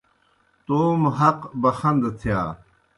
توموْ حق بَخَندَہ تِھیا۔